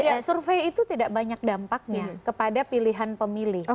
iya survei itu tidak banyak dampaknya kepada pilihan pemilih